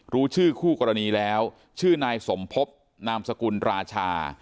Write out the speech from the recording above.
รู้ชื่อคู่กรณีแล้วชื่อนายสมพบนามสกุลราชา